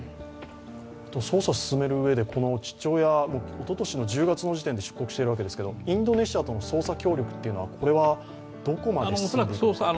捜査を進めるうえで、この父親、おととしの１０月の時点で出国しているわけですが、インドネシアとの捜査協力はどこまで進んでいるんでしょうか。